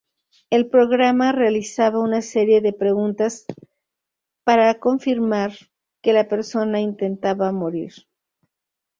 El programa realizaba una serie de preguntas para confirmar que la persona intentaba morir.